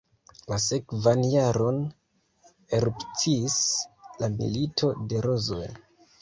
La sekvan jaron erupciis la milito de rozoj.